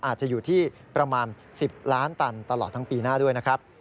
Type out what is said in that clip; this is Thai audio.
อาจจะอยู่ที่ประมาณ๑๐ล้านตันตลอดทั้งปีหน้าด้วยนะครับ